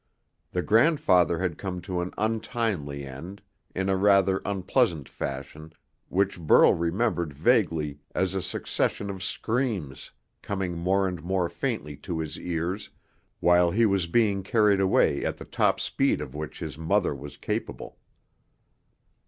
The grandfather had come to an untimely end in a rather unpleasant fashion which Burl remembered vaguely as a succession of screams coming more and more faintly to his ears while he was being carried away at the top speed of which his mother was capable.